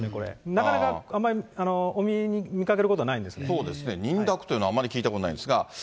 なかなか見かけることはないんでそうですね、認諾というのはあまり聞いたことないんですが。